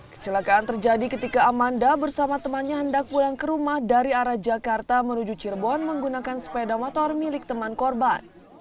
kecelakaan terjadi ketika amanda bersama temannya hendak pulang ke rumah dari arah jakarta menuju cirebon menggunakan sepeda motor milik teman korban